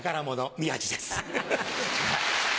宮治です。